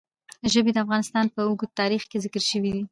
ژبې د افغانستان په اوږده تاریخ کې ذکر شوی دی.